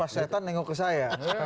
setan menengok ke saya